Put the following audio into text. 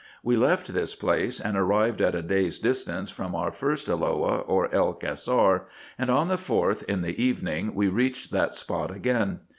We left this place, and arrived at a day's distance from our first Elloah, or El Cassar ; and on the 4th, in the evening, we reached that spot again.